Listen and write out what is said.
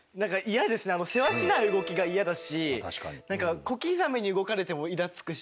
せわしない動きがイヤだし何か小刻みに動かれてもイラつくし。